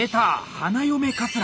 花嫁かつら！